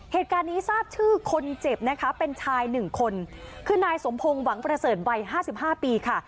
เหตุการณ์นี้ทราบชื่อคนเจ็บนะคะเป็นชายหนึ่งคนคือนายสมพงศ์หวังประเสริฐวัยห้าสิบห้าปีค่ะ